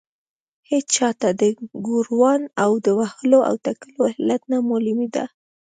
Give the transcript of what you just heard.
هېچا ته د ګوروان د وهلو او ټکولو علت نه معلومېده.